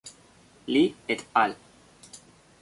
Li "et al.